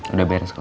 udah beres kok